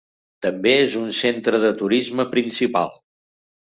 També és un centre de turisme principal.